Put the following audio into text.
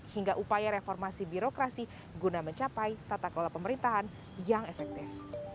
hingga upaya reformasi birokrasi guna mencapai tata kelola pemerintahan yang efektif